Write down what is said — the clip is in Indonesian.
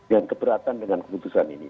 yang keberatan dengan keputusan ini